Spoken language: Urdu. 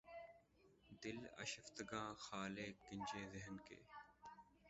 دل آشفتگاں خالِ کنجِ دہن کے